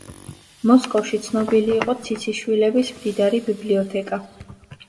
მოსკოვში ცნობილი იყო ციციშვილების მდიდარი ბიბლიოთეკა.